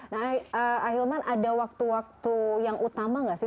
nah ahilman ada waktu waktu yang utama nggak sih